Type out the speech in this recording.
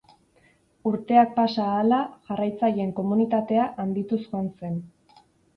Urteak pasa ahala, jarraitzaileen komunitatea handituz joan zen.